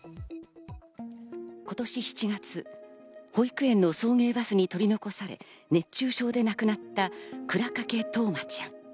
今年７月、保育園の送迎バスに取り残され、熱中症で亡くなった倉掛冬生ちゃん。